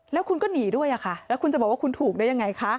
แล้วคุณก็หนีด้วยค่ะแล้วคุณจะบอกว่าคุณถูกได้ยังไงคะ